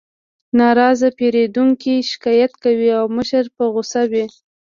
ناراضه پیرودونکي شکایت کوي او مشر په غوسه وي